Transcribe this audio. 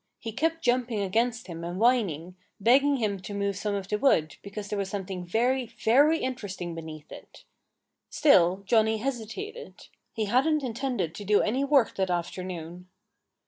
He kept jumping against him and whining, begging him to move some of the wood, because there was something very, very interesting beneath it. Still Johnnie hesitated. He hadn't intended to do any work that afternoon.